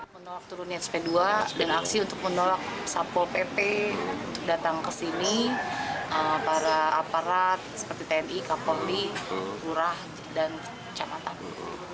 menolak turun sp dua dan aksi untuk menolak satpol pp datang ke sini para aparat seperti tni kapolri hurah dan cak matang